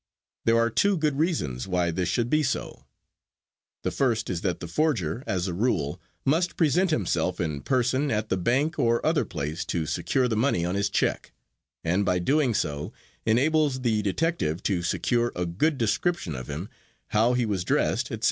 There are two good reasons why this should be so; the first is that the forger, as a rule, must present himself in person at the bank or other place to secure the money on his check, and by so doing enables the detective to secure a good description of him, how he was dressed, etc.